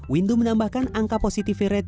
windupun menambahkan angka positif viral